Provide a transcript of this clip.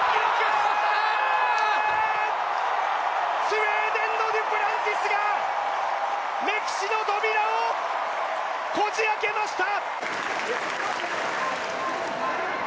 スウェーデンのデュプランティスが歴史の扉をこじあけました！